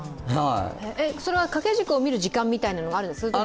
それは掛け軸を見る時間みたいなのがあるんですか？